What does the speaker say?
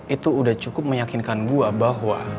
itu udah cukup meyakinkan gue bahwa